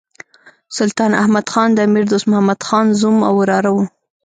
سلطان احمد خان د امیر دوست محمد خان زوم او وراره وو.